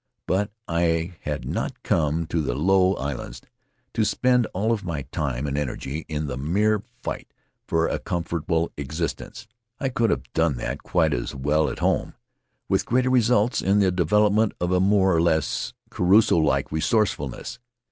But I had not come to the Low Islands to spend all of my time and energy in the mere fight for a comfortable existence. I could have done that quite as well at home, with greater results in the development of a more or less Crusoe like resourceful ness.